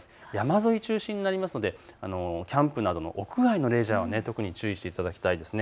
山沿い中心になりますので、キャンプなどの屋外のレジャーは特に注意していただきたいです。